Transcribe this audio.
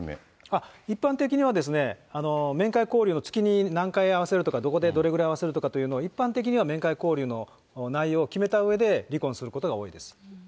一般的には、面会交流、月にどれぐらい会わせるとか、どこでどれぐらい会わせるとかというのを、一般的には面会交流の内容を決めたうえで離婚することが多いです。